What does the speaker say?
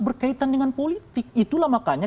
berkaitan dengan politik itulah makanya